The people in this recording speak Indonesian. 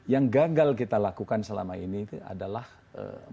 nah yang gagal kita lakukan selama ini adalah memaksakan